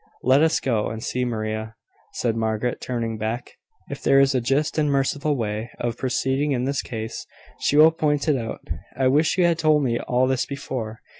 "Let us go and see Maria," said Margaret, turning back. "If there is a just and merciful way of proceeding in this case, she will point it out. I wish you had told me all this before.